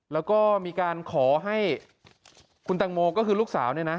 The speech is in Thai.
แล้วก็มีการขอให้คุณตังโมก็คือลูกสาวเนี่ยนะ